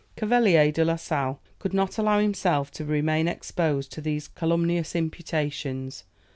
Cavelier de la Sale could not allow himself to remain exposed to these calumnious imputations.